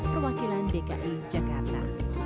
perwakilan dki jakarta